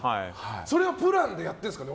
それをプランでやってるんですか？